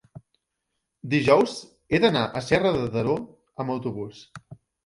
dijous he d'anar a Serra de Daró amb autobús.